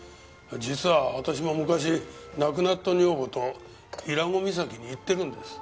実は私も昔亡くなった女房と伊良湖岬に行ってるんです。